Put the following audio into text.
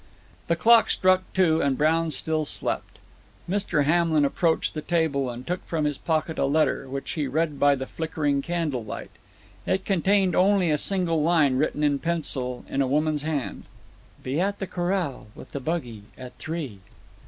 The clock struck two, and Brown still slept. Mr. Hamlin approached the table and took from his pocket a letter, which he read by the flickering candlelight. It contained only a single line, written in pencil, in a woman's hand: "Be at the corral, with the buggy, at three."